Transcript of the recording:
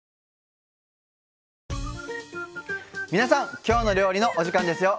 皆さん「きょうの料理」のお時間ですよ。